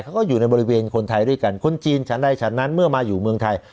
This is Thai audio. เขาก็อยู่ในบริเวณคนไทยด้วยกันคนจีนฉันใดฉันนั้นเมื่อมาอยู่เมืองไทย